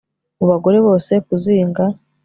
Mu bagore bose kuzinga